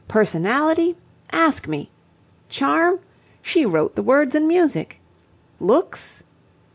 Personality? Ask me! Charm? She wrote the words and music! Looks?..."